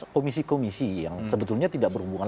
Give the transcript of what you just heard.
komisi komisi yang sebetulnya tidak berhubungan